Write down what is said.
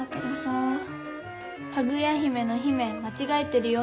「かぐや姫」の「姫」まちがえてるよ。